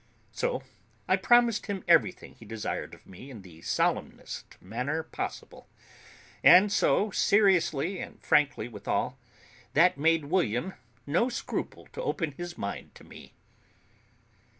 So I promised him everything he desired of me in the solemnest manner possible, and so seriously and frankly withal, that William made no scruple to open his mind to me.